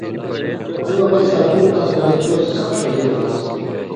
اُو امَیں ساپُوٹ آن٘س ولےچو سخ شژېل آن٘س